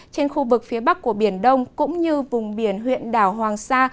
trên khu vực phía bắc của biển đông cũng như vùng biển huyện đảo hoàng sa